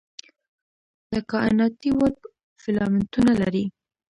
د کائناتي ویب فیلامنټونه لري.